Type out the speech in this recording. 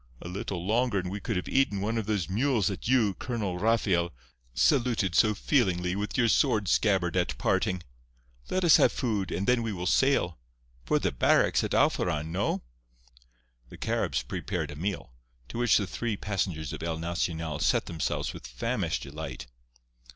_ a little longer and we could have eaten one of those mules that you, Colonel Rafael, saluted so feelingly with your sword scabbard at parting. Let us have food; and then we will sail—for the barracks at Alforan—no?" The Caribs prepared a meal, to which the three passengers of El Nacional set themselves with famished delight.